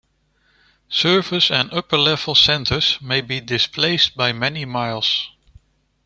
Surface and upper-level centers may be displaced by many miles.